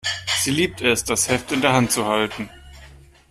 Sie liebt es, das Heft in der Hand zu halten.